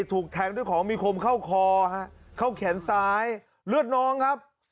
ถูกแทงด้วยของมีคมเข้าคอฮะเข้าแขนซ้ายเลือดน้องครับ